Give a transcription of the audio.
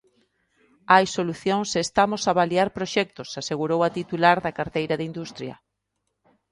"Hai solucións e estamos a avaliar proxectos", asegurou a titular da carteira de Industria.